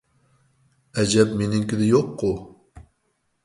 ئەجەب مېنىڭكىدە يوققۇ؟